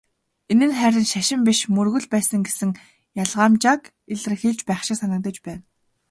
Энэ нь харин "шашин" биш "мөргөл" байсан гэсэн ялгамжааг илэрхийлж байх шиг санагдаж байна.